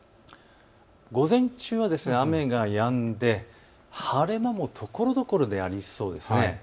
午前中は雨がやんで晴れ間もところどころでありそうです。